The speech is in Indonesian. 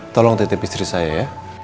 tolong titip istri saya ya